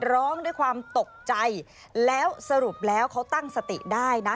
ร้องด้วยความตกใจแล้วสรุปแล้วเขาตั้งสติได้นะ